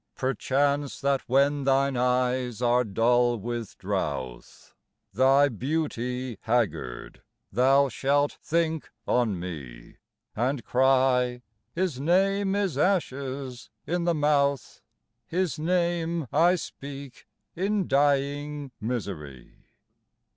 Perchance that when thine eyes are dull with drouth, Thy beauty haggard, thou shalt think on me And cry, " His name is ashes in the mouth ! His name I speak in dying misery."